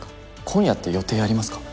今夜って予定ありますか？